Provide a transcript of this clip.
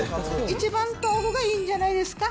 一番豆腐がいいんじゃないですか。